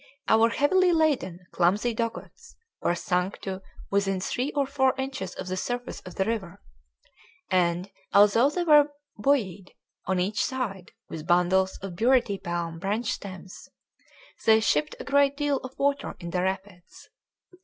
Our heavily laden, clumsy dugouts were sunk to within three or four inches of the surface of the river, and, although they were buoyed on each side with bundles of burity palm branch stems, they shipped a great deal of water in the rapids.